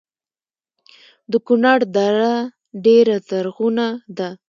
د کونړ دره ډیره زرغونه ده